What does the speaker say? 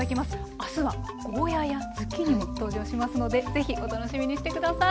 明日はゴーヤーやズッキーニも登場しますのでぜひお楽しみにして下さい。